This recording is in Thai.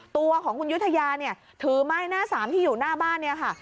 ตัวของคุณยุธยาเนี่ยถือไม้หน้าสามที่อยู่หน้าบ้านเนี่ยค่ะ